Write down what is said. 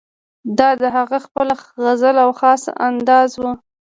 دا د هغه خپله غزل او خاص انداز وو.